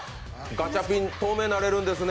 ガチャピン、透明になれるんですね。